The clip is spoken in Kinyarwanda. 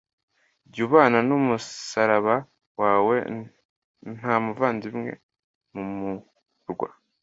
jya ubana n’umusaraba wawe nta muvandimwe mu murwa